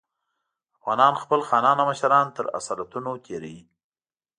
افغانان خپل خانان او مشران تر اصالتونو تېروي.